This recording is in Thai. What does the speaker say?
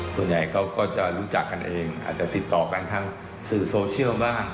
ส่วนใหญ่เขาก็จะรู้จักกันเองอาจจะติดต่อกันทางสื่อโซเชียลบ้าง